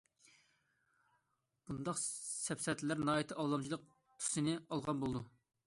بۇنداق سەپسەتىلەر ناھايىتى ئالدامچىلىق تۈسىنى ئالغان بولىدۇ.